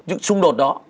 những xung đột đó